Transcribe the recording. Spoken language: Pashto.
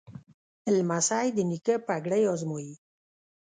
لمسی د نیکه پګړۍ ازمایي.